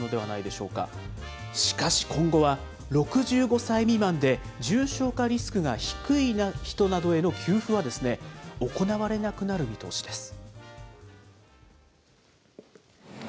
しかし今後は、６５歳未満で重症化リスクが低い人などへの給付は、行われなくなる見通しです。